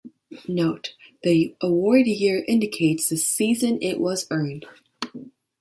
Note: The award year indicates the season it was earned.